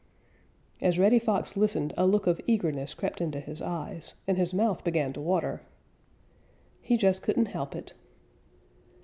As Reddy Fox listened, a look of eagerness crept into his eyes, and his mouth began to water. He just couldn't help it.